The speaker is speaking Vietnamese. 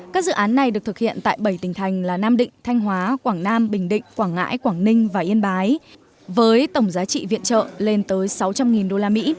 các dự án này được thực hiện tại bảy tỉnh thành là nam định thanh hóa quảng nam bình định quảng ngãi quảng ninh và yên bái với tổng giá trị viện trợ lên tới sáu trăm linh usd